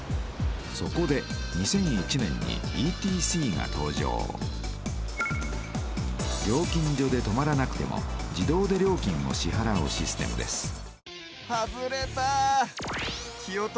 そこで２００１年にＥＴＣが登場料金所で止まらなくても自動で料金を支はらうシステムです